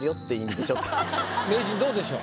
名人どうでしょう？